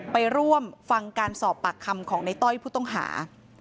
ไปร่วมฟังการสอบปากคำของในต้อยผู้ต้องหา